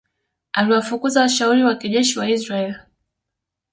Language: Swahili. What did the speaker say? Aliwafukuza washauri wa kijeshi wa Israel